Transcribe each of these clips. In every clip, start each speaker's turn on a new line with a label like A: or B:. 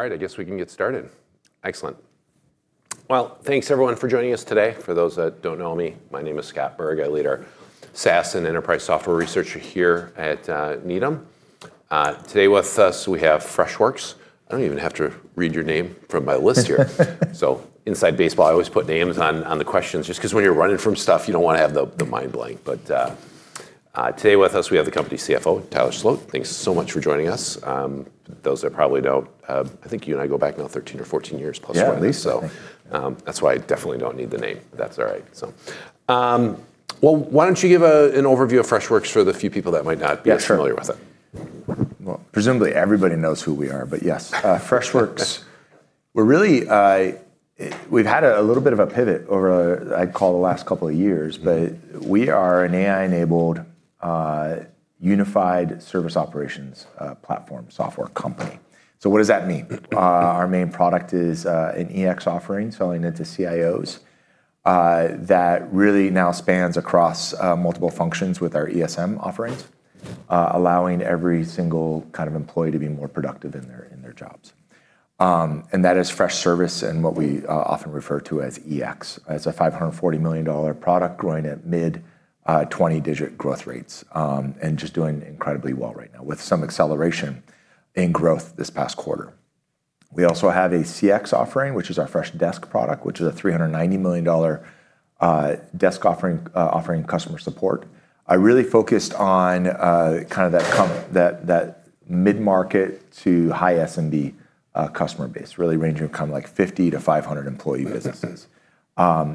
A: All right, I guess we can get started. Excellent. Thanks everyone for joining us today. For those that don't know me, my name is Scott Berg. I lead our SaaS and enterprise software research here at Needham. Today with us we have Freshworks. I don't even have to read your name from my list here. Inside baseball, I always put names on the questions just 'cause when you're running from stuff you don't wanna have the mind blank. Today with us we have the company CFO, Tyler Sloat. Thanks so much for joining us. Those that probably know, I think you and I go back now 13 or 14+ years probably.
B: Yeah, at least.
A: That's why I definitely don't need the name, but that's all right. Well, why don't you give an overview of Freshworks for the few people that might not-
B: Yeah sure.
A: be familiar with it.
B: Well presumably everybody knows who we are, but yes. Freshworks. We're really, we've had a little bit of a pivot over, I'd call the last couple of years. We are an AI-enabled, unified service operations, platform software company. What does that mean? Our main product is an EX offering selling into CIOs that really now spans across multiple functions with our ESM offerings. Allowing every single kind of employee to be more productive in their jobs. And that is Freshservice and what we often refer to as EX. It's a $540 million product growing at mid-20 digit growth rates. And just doing incredibly well right now, with some acceleration in growth this past quarter. We also have a CX offering, which is our Freshdesk product, which is a $390 million desk offering customer support. I really focused on kind of that mid-market to high SMB customer base. Really ranging from kind of like 50-500 employee businesses.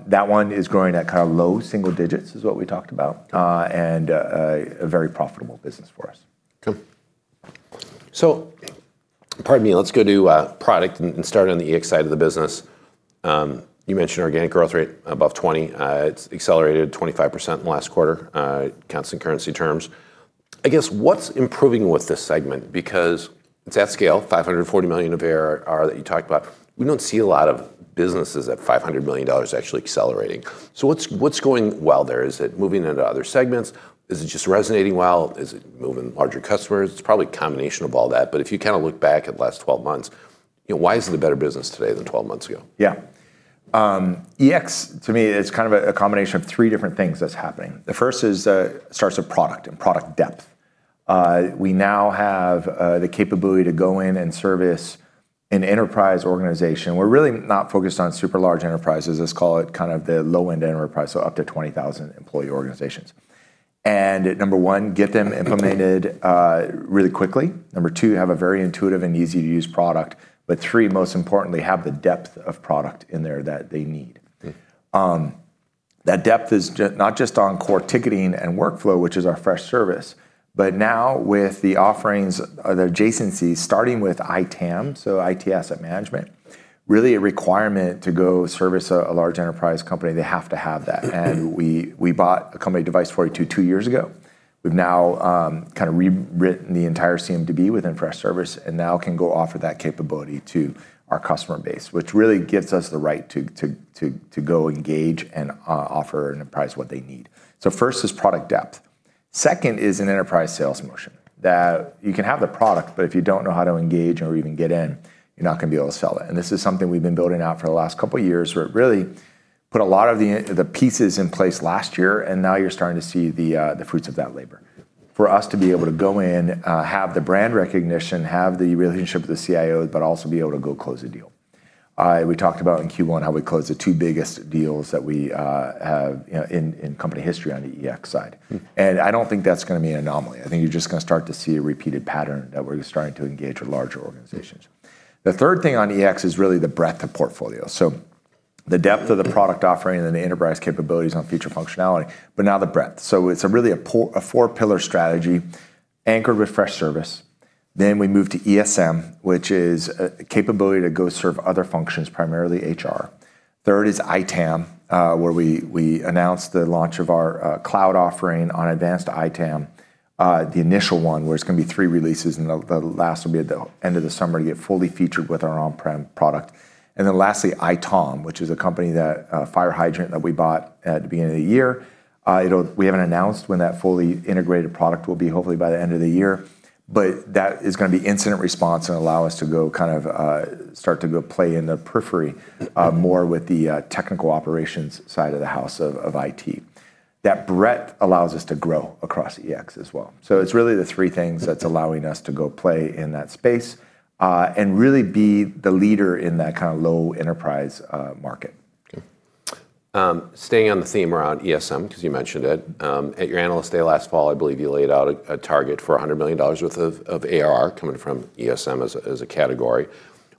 B: That one is growing at kind of low single digits is what we talked about. A very profitable business for us.
A: Okay. Pardon me, let's go to product and start on the EX side of the business. You mentioned organic growth rate above 20%. It's accelerated 25% in the last quarter, constant currency terms. I guess what's improving with this segment? Because it's at scale, $540 million of ARR that you talked about. We don't see a lot of businesses at $500 million actually accelerating. What's going well there? Is it moving into other segments? Is it just resonating well? Is it moving larger customers? It's probably a combination of all that, but if you kind of look back at the last 12 months, you know, why is it a better business today than 12 months ago?
B: EX to me is kind of a combination of three different things that's happening. The first is, starts with product and product depth. We now have the capability to go in and service an enterprise organization. We're really not focused on super large enterprises, let's call it kind of the low-end enterprise. Up to 20,000 employee organizations. Number one, get them implemented really quickly. Number two, have a very intuitive and easy to use product. Three, most importantly, have the depth of product in there that they need. That depth is not just on core ticketing and workflow, which is our Freshservice, but now with the offerings, the adjacencies starting with ITAM, IT Asset Management. Really a requirement to go service a large enterprise company, they have to have that. We bought a company Device42 two years ago. We've now kind of rewritten the entire CMDB within Freshservice, and now can go offer that capability to our customer base. Which really gives us the right to go engage and offer an enterprise what they need. First is product depth. Second is an enterprise sales motion, that you can have the product but if you don't know how to engage or even get in, you're not gonna be able to sell it. This is something we've been building out for the last couple years, where it really put a lot of the pieces in place last year and now you're starting to see the fruits of that labor. For us to be able to go in, have the brand recognition, have the relationship with the CIO, but also be able to go close a deal. We talked about in Q1 how we closed the two biggest deals that we have, you know, in company history on the EX side. I don't think that's gonna be an anomaly. I think you're just gonna start to see a repeated pattern that we're starting to engage with larger organizations. The third thing on EX is really the breadth of portfolio. The depth of the product offering and the enterprise capabilities on feature functionality, but now the breadth. It's a really a four pillar strategy anchored with Freshservice. We move to ESM, which is a capability to go serve other functions, primarily HR. Third is ITAM, where we announced the launch of our cloud offering on advanced ITAM. The initial one, where it's gonna be three releases and the last will be at the end of the summer to get fully featured with our on-prem product. Lastly, ITOM, which is a company that, FireHydrant, that we bought at the beginning of the year. We haven't announced when that fully integrated product will be. Hopefully by the end of the year. That is going to be incident response and allow us to go kind of, start to go play in the periphery more with the technical operations side of the house of IT. That breadth allows us to grow across EX as well. It's really the three things that's allowing us to go play in that space and really be the leader in that kind of low enterprise market.
A: Okay. Staying on the theme around ESM, 'cause you mentioned it. At your Analyst Day last fall, I believe you laid out a target for $100 million worth of ARR coming from ESM as a, as a category.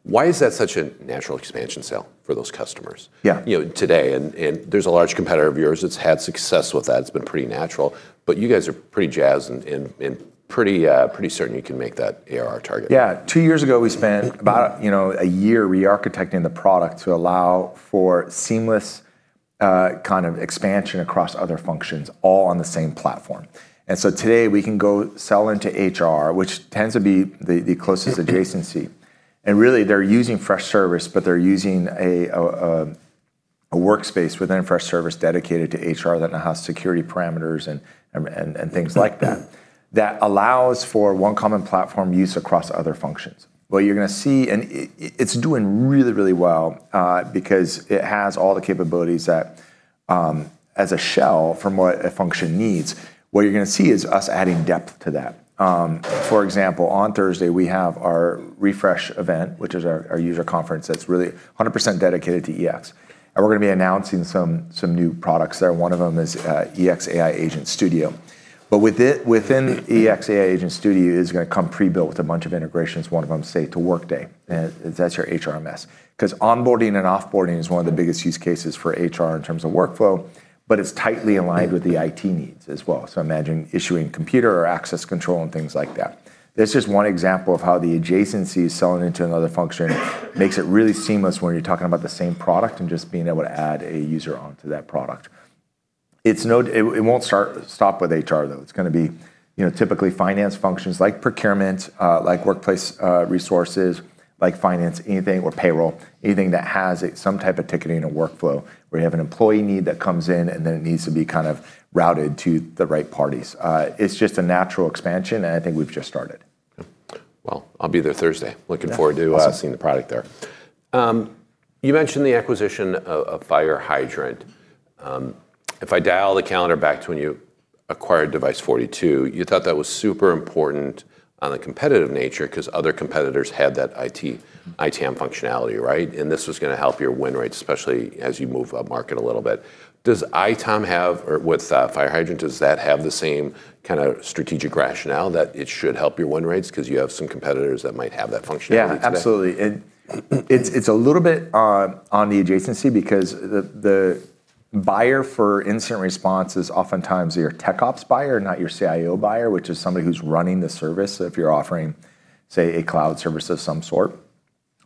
A: Why is that such a natural expansion sell for those customers? You know, today and there's a large competitor of yours that's had success with that. It's been pretty natural. You guys are pretty jazzed and pretty certain you can make that ARR target.
B: Yeah. Two years ago we spent about, you know, a year rearchitecting the product to allow for seamless, kind of expansion across other functions all on the same platform. Today we can go sell into HR, which tends to be the closest adjacency. Really, they're using Freshservice, but they're using a workspace within Freshservice dedicated to HR that now has security parameters and things like that that allows for one common platform use across other functions. What you're gonna see. It's doing really, really well, because it has all the capabilities that as a shell from what a function needs. What you're gonna see is us adding depth to that. For example, on Thursday we have our Refresh event, which is our user conference that's really 100% dedicated to EX, and we're gonna be announcing some new products there. One of them is EX AI Agent Studio. Within EX AI Agent Studio is gonna come pre-built with a bunch of integrations, one of them say to Workday. That's your HRMS. 'Cause onboarding and off-boarding is one of the biggest use cases for HR in terms of workflow, but it's tightly aligned with the IT needs as well. Imagine issuing computer or access control and things like that. That's just one example of how the adjacency is selling into another function and makes it really seamless when you're talking about the same product and just being able to add a user onto that product. It's no it won't start stop with HR though. It's gonna be, you know, typically finance functions like procurement, like workplace resources, like finance, anything, or payroll, anything that has some type of ticketing and a workflow where you have an employee need that comes in and then it needs to be kind of routed to the right parties. It's just a natural expansion. I think we've just started.
A: Well, I'll be there Thursday. Looking forward to also seeing the product there. You mentioned the acquisition of FireHydrant. If I dial the calendar back to when you acquired Device42, you thought that was super important on the competitive nature 'cause other competitors had that IT, ITAM functionality, right? This was gonna help your win rates, especially as you move up market a little bit. With FireHydrant, does that have the same kind of strategic rationale that it should help your win rates 'cause you have some competitors that might have that functionality today?
B: Yeah, absolutely. It's, it's a little bit on the adjacency because the buyer for incident response is oftentimes your tech ops buyer, not your CIO buyer, which is somebody who's running the service, so if you're offering, say, a cloud service of some sort.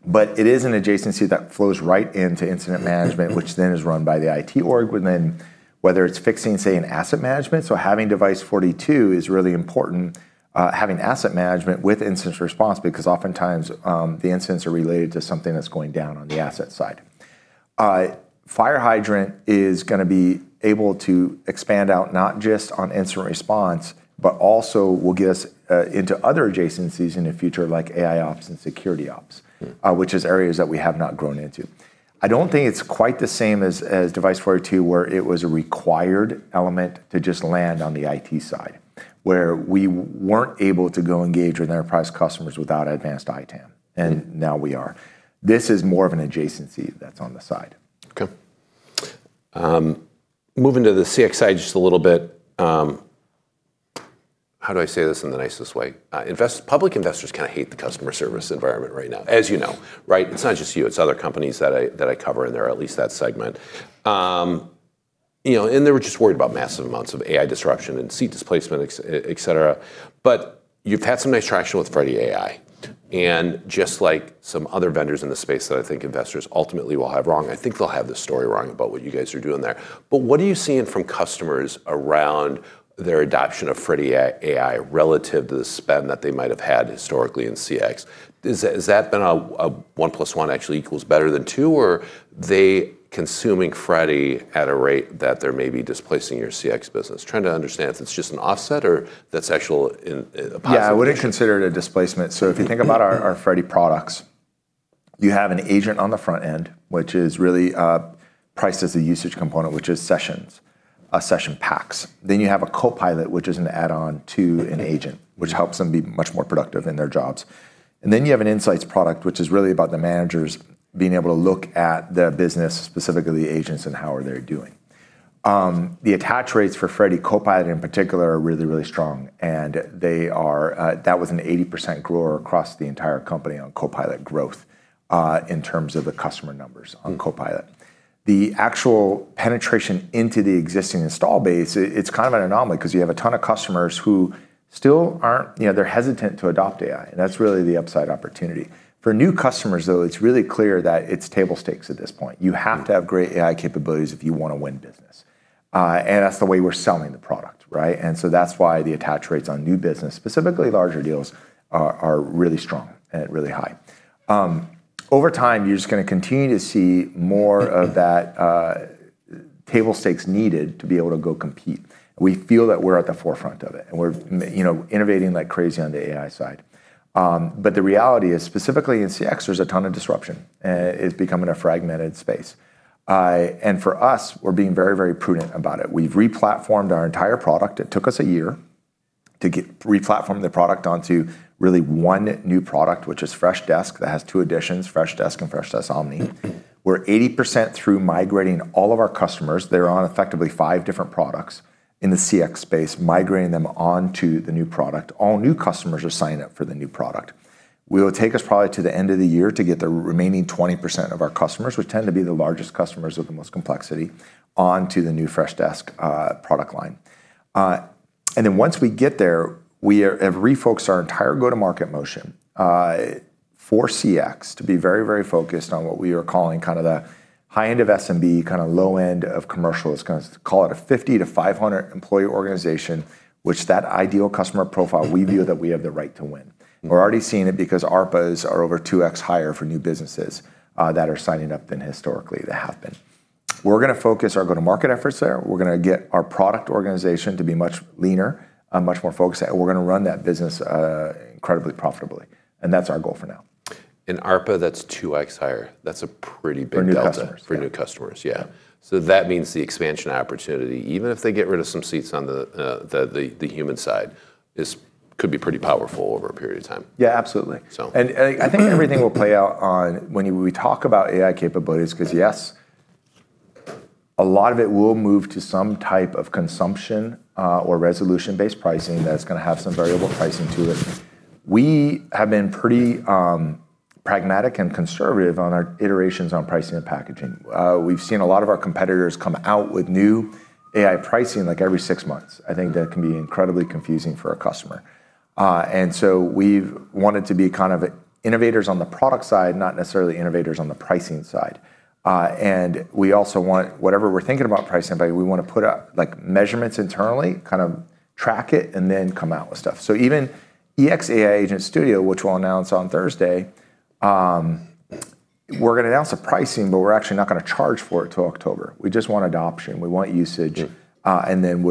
B: It is an adjacency that flows right into incident management, which then is run by the IT org, but then whether it's fixing, say, an asset management. Having Device42 is really important, having asset management with incident response because oftentimes, the incidents are related to something that's going down on the asset side. FireHydrant is gonna be able to expand out not just on incident response, but also will get us into other adjacencies in the future like AIOps and security ops. Which is areas that we have not grown into. I don't think it's quite the same as Device42 where it was a required element to just land on the IT side, where we weren't able to go engage with enterprise customers without advanced ITAM, and now we are. This is more of an adjacency that's on the side.
A: Okay. Moving to the CX side just a little bit, how do I say this in the nicest way? Public investors kind of hate the customer service environment right now, as you know, right? It's not just you, it's other companies that I cover and they're at least that segment. You know, they were just worried about massive amounts of AI disruption and seat displacement, et cetera. You've had some nice traction with Freddy AI. Just like some other vendors in the space that I think investors ultimately will have wrong, I think they'll have the story wrong about what you guys are doing there. What are you seeing from customers around their adoption of Freddy AI relative to the spend that they might have had historically in CX? Has that been a 1 + 1 actually equals better than 2, or are they consuming Freddy at a rate that they're maybe displacing your CX business? Trying to understand if it's just an offset or that's actually a positive?
B: Yeah, I wouldn't consider it a displacement. If you think about our Freddy products, you have an agent on the front end, which is really priced as a usage component, which is sessions, session packs. You have a Copilot, which is an add-on to an agent, which helps them be much more productive in their jobs. You have an insights product, which is really about the managers being able to look at their business, specifically agents and how are they doing. The attach rates for Freddy Copilot in particular are really, really strong, and they are that was an 80% grower across the entire company on Copilot growth, in terms of the customer numbers on Copilot. The actual penetration into the existing install base, it's kind of an anomaly 'cause you have a ton of customers who still aren't you know, they're hesitant to adopt AI. That's really the upside opportunity. For new customers though, it's really clear that it's table stakes at this point. You have to have great AI capabilities if you wanna win business. That's the way we're selling the product, right? That's why the attach rates on new business, specifically larger deals, are really strong and really high. Over time, you're just gonna continue to see more of that, table stakes needed to be able to go compete. We feel that we're at the forefront of it, and we're you know, innovating like crazy on the AI side. The reality is specifically in CX, there's a ton of disruption. It's becoming a fragmented space. For us, we're being very, very prudent about it. We've re-platformed our entire product. It took us a year to get re-platform the product onto really one new product, which is Freshdesk. That has two editions, Freshdesk and Freshdesk Omni. We're 80% through migrating all of our customers. They're on effectively five different products in the CX space, migrating them onto the new product. All new customers are signing up for the new product. Will take us probably to the end of the year to get the remaining 20% of our customers, which tend to be the largest customers with the most complexity, onto the new Freshdesk product line. Once we get there, we are have refocused our entire go-to-market motion for CX to be very, very focused on what we are calling kind of the high end of SMB, kind of low end of commercial. Let's kind of call it a 50-500 employee organization, which that ideal customer profile, we view that we have the right to win. We're already seeing it because ARPAs are over 2x higher for new businesses that are signing up than historically they have been. We're gonna focus our go-to-market efforts there. We're gonna get our product organization to be much leaner, much more focused. We're gonna run that business incredibly profitably. That's our goal for now.
A: In ARPA, that's 2x higher. That's a pretty big delta.
B: For new customers.
A: For new customers, yeah. That means the expansion opportunity, even if they get rid of some seats on the human side, could be pretty powerful over a period of time.
B: Yeah, absolutely. I think everything will play out on when we talk about AI capabilities, 'cause yes, a lot of it will move to some type of consumption, or resolution-based pricing that's gonna have some variable pricing to it. We have been pretty pragmatic and conservative on our iterations on pricing and packaging. We've seen a lot of our competitors come out with new AI pricing, like, every six months. I think that can be incredibly confusing for a customer. We've wanted to be kind of innovators on the product side, not necessarily innovators on the pricing side. We also want, whatever we're thinking about pricing by, we wanna put up, like, measurements internally, kind of track it, and then come out with stuff. Even EX AI Agent Studio, which we'll announce on Thursday, we're gonna announce the pricing, but we're actually not gonna charge for it till October. We just want adoption. We want usage and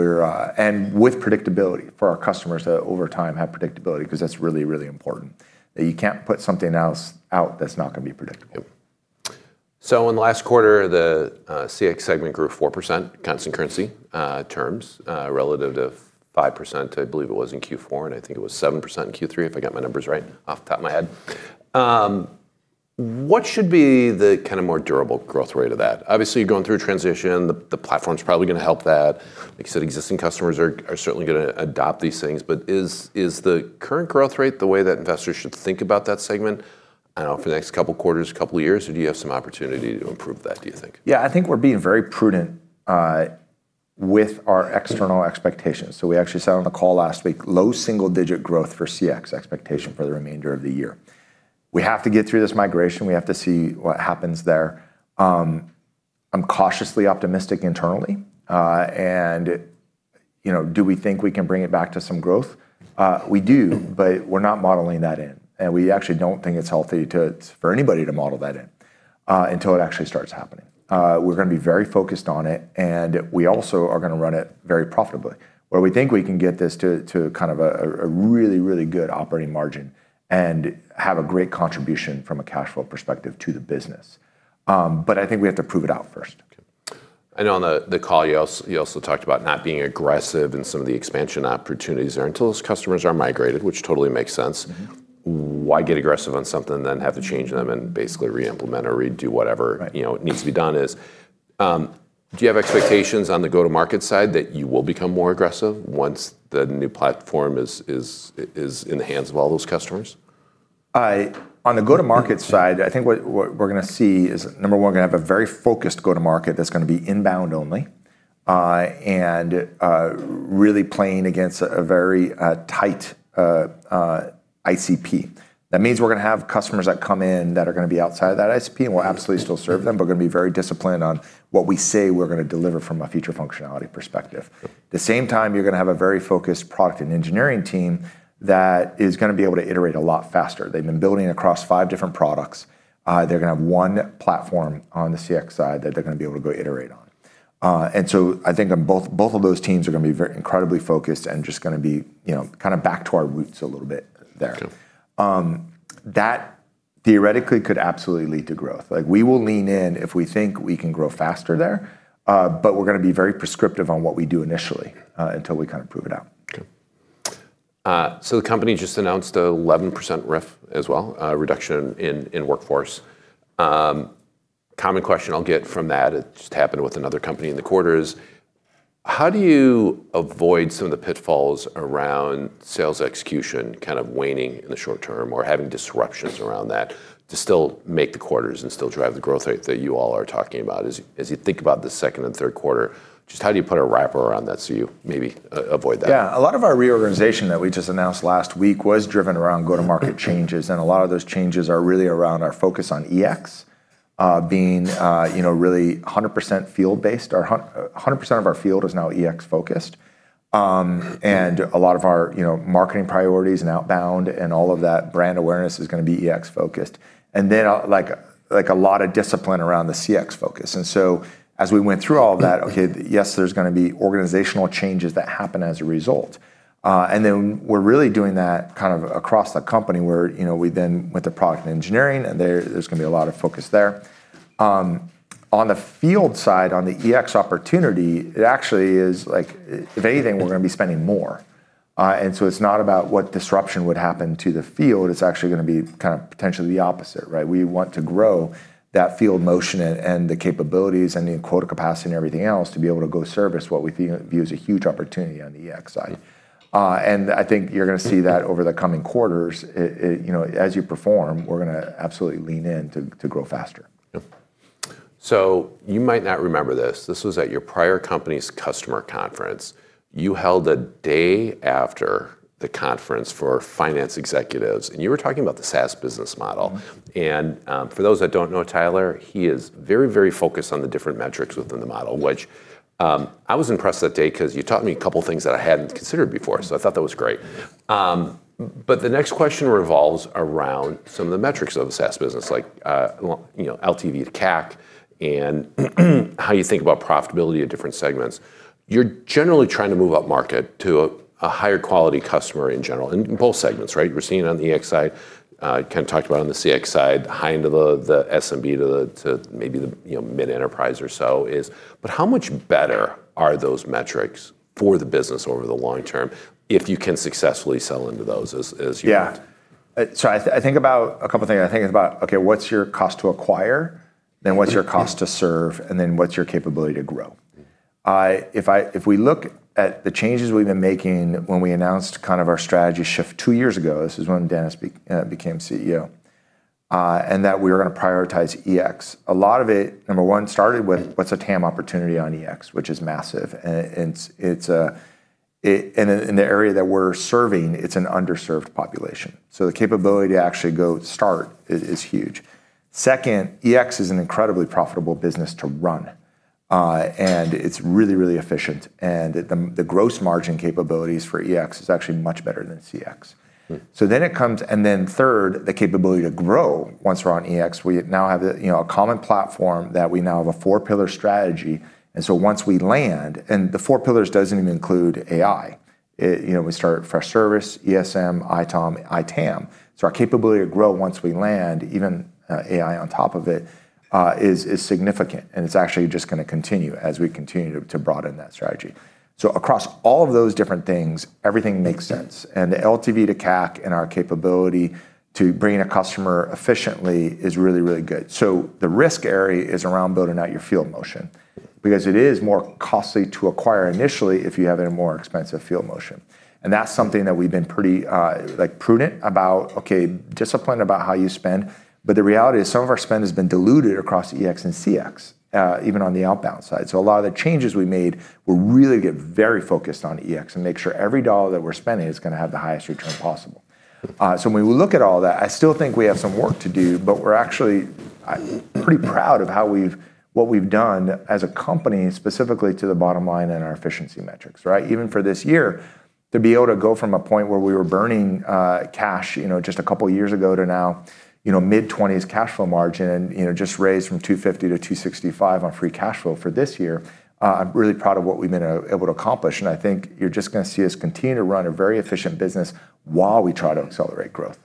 B: with predictability for our customers to, over time, have predictability, 'cause that's really, really important, that you can't put something else out that's not gonna be predictable.
A: Yep. In the last quarter, the CX segment grew 4%, constant currency terms, relative to 5%, I believe it was in Q4, and I think it was 7% in Q3, if I got my numbers right off the top of my head. What should be the kind of more durable growth rate of that? Obviously, you're going through a transition. The platform's probably gonna help that. Like you said, existing customers are certainly gonna adopt these things. Is the current growth rate the way that investors should think about that segment, I don't know, for the next couple quarters, couple years, or do you have some opportunity to improve that, do you think?
B: I think we're being very prudent with our external expectations. We actually said on the call last week, low single-digit growth for CX expectation for the remainder of the year. We have to get through this migration. We have to see what happens there. I'm cautiously optimistic internally. You know, do we think we can bring it back to some growth? We do, but we're not modeling that in, and we actually don't think it's healthy for anybody to model that in until it actually starts happening. We're gonna be very focused on it, and we also are gonna run it very profitably, where we think we can get this to kind of a really, really good operating margin and have a great contribution from a cash flow perspective to the business. I think we have to prove it out first.
A: Okay. I know on the call you also talked about not being aggressive in some of the expansion opportunities there until those customers are migrated, which totally makes sense. Why get aggressive on something, then have to change them and basically re-implement or redo whatever, you know, needs to be done is. Do you have expectations on the go-to-market side that you will become more aggressive once the new platform is in the hands of all those customers?
B: On the go-to-market side, I think what we're gonna see is, number one, we're gonna have a very focused go-to-market that's gonna be inbound only, and really playing against a very tight ICP. That means we're gonna have customers that come in that are gonna be outside of that ICP, and we'll absolutely still serve them, but we're gonna be very disciplined on what we say we're gonna deliver from a future functionality perspective. The same time, you're gonna have a very focused product and engineering team that is gonna be able to iterate a lot faster. They've been building across five different products. They're gonna have one platform on the CX side that they're gonna be able to go iterate on. I think, both of those teams are gonna be very incredibly focused and just gonna be, you know, kind of back to our roots a little bit there. That theoretically could absolutely lead to growth. Like, we will lean in if we think we can grow faster there, but we're gonna be very prescriptive on what we do initially, until we kind of prove it out.
A: Okay. The company just announced a 11% RIF as well, reduction in workforce. Common question I'll get from that, it just happened with another company in the quarter is, how do you avoid some of the pitfalls around sales execution kind of waning in the short-term or having disruptions around that to still make the quarters and still drive the growth rate that you all are talking about? As you think about the second and third quarter, just how do you put a wrapper around that so you maybe avoid that?
B: Yeah. A lot of our reorganization that we just announced last week was driven around go-to-market changes. A lot of those changes are really around our focus on EX being, you know, really 100% field-based. 100% of our field is now EX-focused. A lot of our, you know, marketing priorities and outbound and all of that brand awareness is gonna be EX-focused. Then, like, a lot of discipline around the CX focus. So as we went through all that, okay, yes, there's gonna be organizational changes that happen as a result. Then we're really doing that kind of across the company where, you know, we then went to product and engineering. There's gonna be a lot of focus there. On the field side, on the EX opportunity, it actually is, like, if anything, we're gonna be spending more. So it's not about what disruption would happen to the field. It's actually gonna be kind of potentially the opposite, right? We want to grow that field motion and the capabilities and the quota capacity and everything else to be able to go service what we view as a huge opportunity on the EX side. I think you're gonna see that over the coming quarters. It, you know, as you perform, we're gonna absolutely lean in to grow faster.
A: Yep. You might not remember this was at your prior company's customer conference. You held a day after the conference for finance executives, and you were talking about the SaaS business model. For those that don't know Tyler, he is very, very focused on the different metrics within the model, which I was impressed that day 'cause you taught me a couple things that I hadn't considered before, so I thought that was great. The next question revolves around some of the metrics of the SaaS business like, well, you know, LTV to CAC and how you think about profitability at different segments. You're generally trying to move up market to a higher quality customer in general, in both segments, right? We're seeing on the EX side, kind of talked about on the CX side, high end of the SMB to maybe the, you know, mid-enterprise or so. How much better are those metrics for the business over the long-term if you can successfully sell into those as you.
B: Yeah. I think about a couple things. I think about, okay, what's your cost to acquire? What's your cost to serve, and then what's your capability to grow? If we look at the changes we've been making when we announced kind of our strategy shift two years ago, this is when Dennis became CEO, and that we were gonna prioritize EX. A lot of it, number one, started with what's a TAM opportunity on EX, which is massive. In the area that we're serving, it's an underserved population. The capability to actually go start is huge. Second, EX is an incredibly profitable business to run. It's really, really efficient and the gross margin capabilities for EX is actually much better than CX. It comes third, the capability to grow once we're on EX, we now have the, you know, a common platform that we now have a four-pillar strategy. Once we land, and the four pillars doesn't even include AI. It, you know, we start Freshservice, ESM, ITOM, ITAM. Our capability to grow once we land even AI on top of it is significant, and it's actually just gonna continue as we continue to broaden that strategy. Across all of those different things, everything makes sense. The LTV to CAC and our capability to bring in a customer efficiently is really, really good. The risk area is around building out your field motion. It is more costly to acquire initially if you have a more expensive field motion. That's something that we've been pretty, like, prudent about, okay, disciplined about how you spend. The reality is some of our spend has been diluted across EX and CX, even on the outbound side. A lot of the changes we made will really get very focused on EX and make sure every dollar that we're spending is gonna have the highest return possible. When we look at all that, I still think we have some work to do, but we're actually pretty proud of how we've, what we've done as a company specifically to the bottom line and our efficiency metrics, right? Even for this year, to be able to go from a point where we were burning cash, you know, just a couple years ago to now, you know, mid-20s cash flow margin and, you know, just raised from $250 million to $265 million on free cash flow for this year, I'm really proud of what we've been able to accomplish. I think you're just gonna see us continue to run a very efficient business while we try to accelerate growth.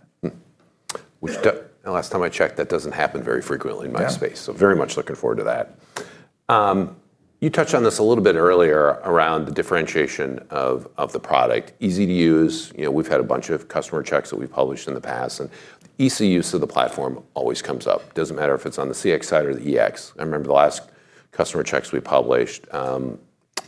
A: Last time I checked, that doesn't happen very frequently in my space.
B: Yeah.
A: Very much looking forward to that. You touched on this a little bit earlier around the differentiation of the product. Easy to use. You know, we've had a bunch of customer checks that we've published in the past, and easy use of the platform always comes up. Doesn't matter if it's on the CX side or the EX. I remember the last customer checks we published,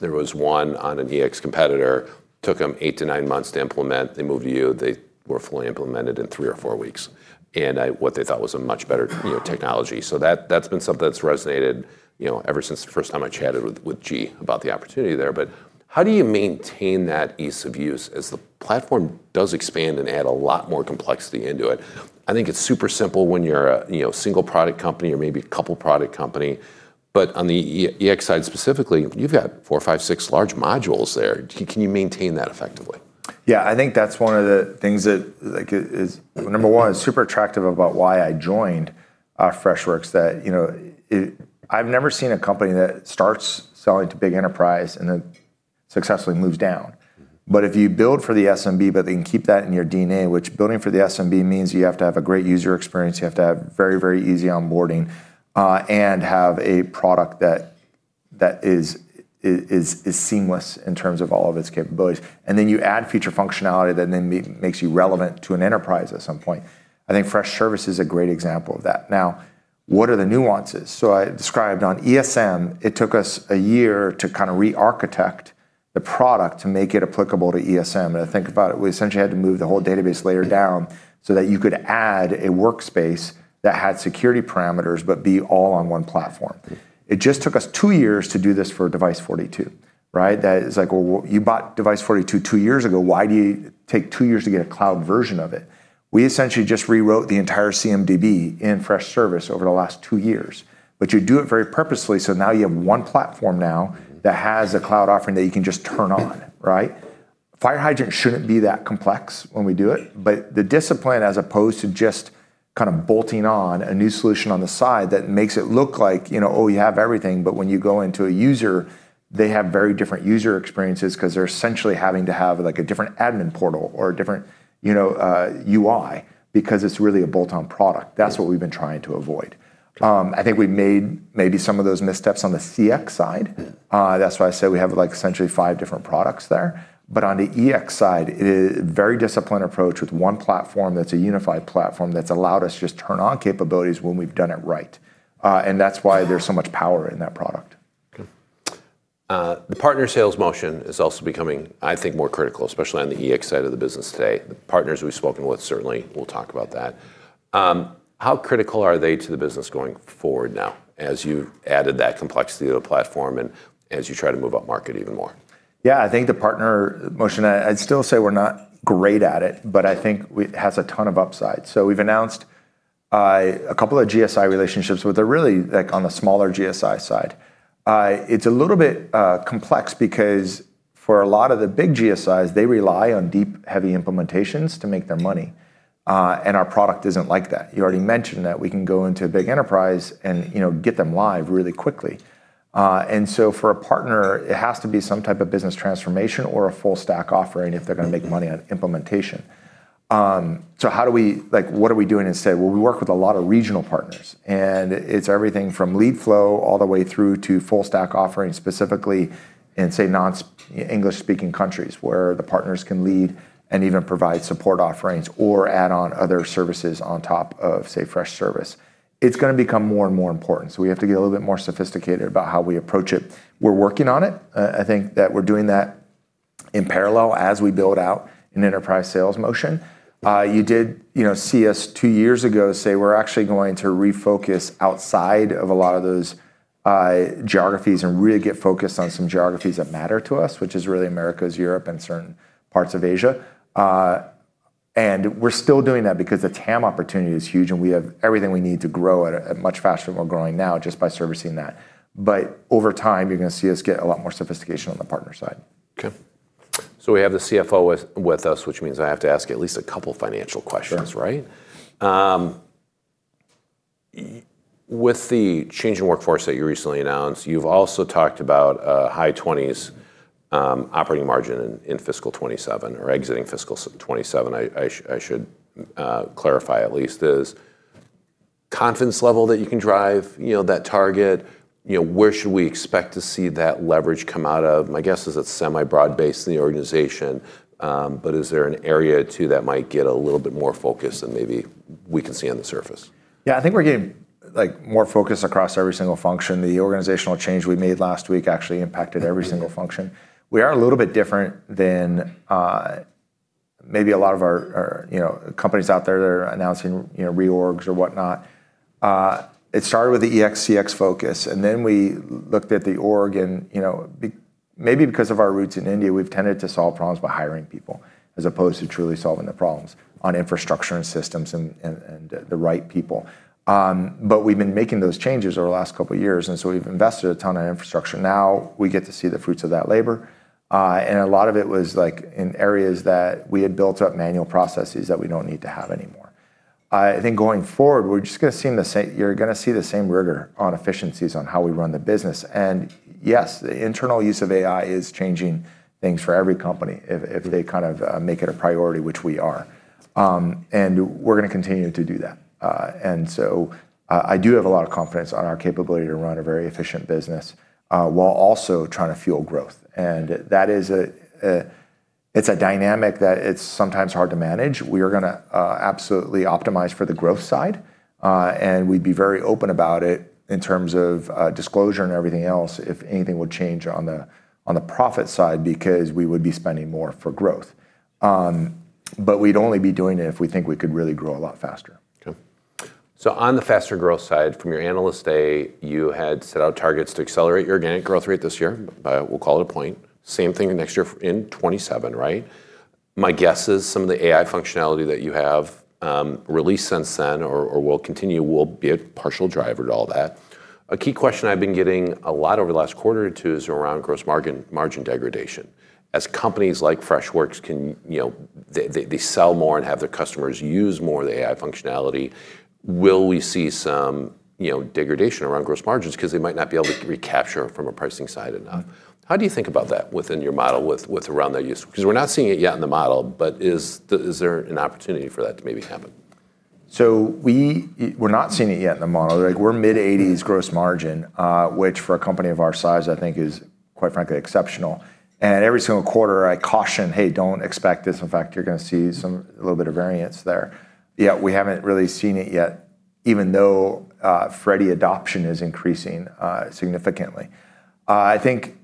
A: there was one on an EX competitor, took them eight to nine months to implement. They moved to you, they were fully implemented in three or four weeks in what they thought was a much better, you know, technology. That, that's been something that's resonated, you know, ever since the first time I chatted with G about the opportunity there. How do you maintain that ease of use as the platform does expand and add a lot more complexity into it? I think it's super simple when you're a, you know, single product company or maybe a couple product company. On the EX side specifically, you've got four, five, six large modules there. Can you maintain that effectively?
B: I think that's one of the things that, like, is number one, super attractive about why I joined, Freshworks, that, you know, it I've never seen a company that starts selling to big enterprise and then successfully moves down. If you build for the SMB, keep that in your DNA, which building for the SMB means you have to have a great user experience, you have to have very, very easy onboarding, and have a product that is seamless in terms of all of its capabilities. You add feature functionality that then makes you relevant to an enterprise at some point. I think Freshservice is a great example of that. Now, what are the nuances? I described on ESM, it took us a year to kind of re-architect the product to make it applicable to ESM. I think about it, we essentially had to move the whole database layer down so that you could add a workspace that had security parameters, but be all on one platform. It just took us two years to do this for Device42, right? That is like, well, you bought Device42 two years ago. Why do you take two years to get a cloud version of it? We essentially just rewrote the entire CMDB in Freshservice over the last two years. You do it very purposefully, so now you have one platform now that has a cloud offering that you can just turn on, right? FireHydrant shouldn't be that complex when we do it. The discipline as opposed to just kind of bolting on a new solution on the side that makes it look like, you know, oh, you have everything, but when you go into a user, they have very different user experiences 'cause they're essentially having to have, like, a different admin portal or a different, you know, UI because it's really a bolt-on product. That's what we've been trying to avoid. I think we made maybe some of those missteps on the CX side. That's why I say we have, like, essentially five different products there. On the EX side, it very disciplined approach with one platform that's a unified platform that's allowed us just turn on capabilities when we've done it right. That's why there's so much power in that product.
A: Okay. The partner sales motion is also becoming, I think, more critical, especially on the EX side of the business today. The partners we've spoken with certainly will talk about that. How critical are they to the business going forward now as you've added that complexity to the platform and as you try to move upmarket even more?
B: I think the partner motion, I'd still say we're not great at it, but I think it has a ton of upside. We've announced a couple of GSI relationships which are really, like, on the smaller GSI side. It's a little bit complex because for a lot of the big GSIs, they rely on deep heavy implementations to make their money, and our product isn't like that. You already mentioned that we can go into a big enterprise and, you know, get them live really quickly. For a partner, it has to be some type of business transformation or a full stack offering if they're gonna make money on implementation. How do we like, what are we doing instead? Well, we work with a lot of regional partners, and it's everything from lead flow all the way through to full stack offerings, specifically in, say, non-English-speaking countries where the partners can lead and even provide support offerings or add on other services on top of, say, Freshservice. It's gonna become more and more important. We have to get a little bit more sophisticated about how we approach it. We're working on it. I think that we're doing that in parallel as we build out an enterprise sales motion. You did, you know, see us two years ago say we're actually going to refocus outside of a lot of those geographies and really get focused on some geographies that matter to us, which is really Americas, Europe, and certain parts of Asia. We're still doing that because the TAM opportunity is huge, and we have everything we need to grow at much faster than we're growing now just by servicing that. Over time, you're gonna see us get a lot more sophistication on the partner side.
A: Okay. We have the CFO with us, which means I have to ask you at least a couple financial questions.
B: Sure.
A: Right? With the change in workforce that you recently announced, you've also talked about high 20s operating margin in fiscal 2027 or exiting fiscal 2027 I should clarify at least. Is confidence level that you can drive, you know, that target, you know, where should we expect to see that leverage come out of? My guess is it's semi-broad-based in the organization, but is there an area, too, that might get a little bit more focus than maybe we can see on the surface?
B: Yeah, I think we're getting, like, more focus across every single function. The organizational change we made last week actually impacted every single function. We are a little bit different than maybe a lot of our, you know, companies out there that are announcing, you know, reorgs or whatnot. It started with the EX/CX focus, we looked at the org and, you know, maybe because of our roots in India, we've tended to solve problems by hiring people as opposed to truly solving the problems on infrastructure and systems and the right people. We've been making those changes over the last couple years, we've invested a ton on infrastructure. Now we get to see the fruits of that labor, and a lot of it was, like, in areas that we had built up manual processes that we don't need to have anymore. I think going forward we're just gonna see, you're gonna see the same rigor on efficiencies on how we run the business. Yes, the internal use of AI is changing things for every company if they kind of make it a priority, which we are. We're gonna continue to do that. I do have a lot of confidence on our capability to run a very efficient business while also trying to fuel growth, and that is a dynamic that it's sometimes hard to manage. We are gonna absolutely optimize for the growth side, and we'd be very open about it in terms of disclosure and everything else if anything would change on the profit side because we would be spending more for growth. We'd only be doing it if we think we could really grow a lot faster.
A: On the faster growth side from your Analyst Day, you had set out targets to accelerate your organic growth rate this year by, we'll call it a point. Same thing next year in 2027, right? My guess is some of the AI functionality that you have released since then or will continue will be a partial driver to all that. A key question I've been getting a lot over the last quarter or two is around gross margin degradation. As companies like Freshworks can, you know, they sell more and have their customers use more of the AI functionality, will we see some, you know, degradation around gross margins? 'Cause they might not be able to recapture from a pricing side enough. How do you think about that within your model with around that use? We're not seeing it yet in the model, but is there an opportunity for that to maybe happen?
B: We're not seeing it yet in the model. Like, we're mid-80s gross margin, which for a company of our size I think is, quite frankly, exceptional, and every single quarter I caution, "Hey, don't expect this. In fact, you're gonna see some, a little bit of variance there." Yeah, we haven't really seen it yet even though, Freddy adoption is increasing, significantly. I think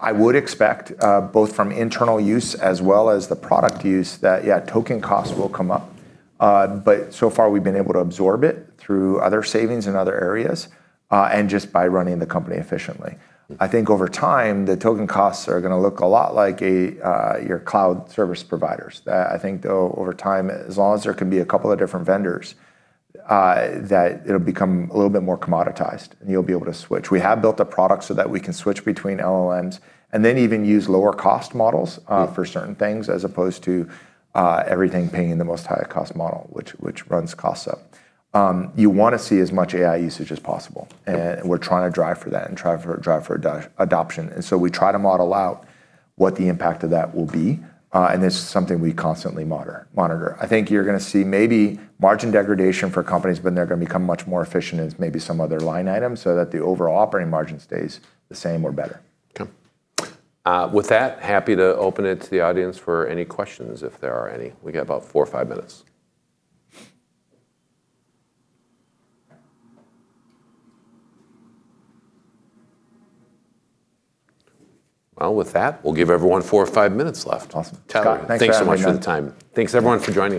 B: I would expect, both from internal use as well as the product use that, yeah, token costs will come up. But so far we've been able to absorb it through other savings in other areas, and just by running the company efficiently. I think over time the token costs are gonna look a lot like a, your cloud service providers. I think though over time as long as there can be a couple of different vendors, that it'll become a little bit more commoditized and you'll be able to switch. We have built a product so that we can switch between LLMs and then even use lower cost models for certain things as opposed to everything paying the most higher cost model which runs costs up. You wanna see as much AI usage as possible. We're trying to drive for that and drive for adoption. We try to model out what the impact of that will be, and it's something we constantly monitor. I think you're gonna see maybe margin degradation for companies, but they're gonna become much more efficient as maybe some other line items so that the overall operating margin stays the same or better.
A: Okay. With that, happy to open it to the audience for any questions if there are any. We got about four or five minutes. Well, with that, we'll give everyone four or five minutes left.
B: Awesome.
A: Tyler-
B: Scott, thanks for having me on.
A: Thanks so much for the time. Thanks everyone for joining us.